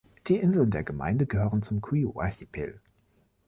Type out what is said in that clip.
Die Inseln der Gemeinde gehören zum Cuyo-Archipel.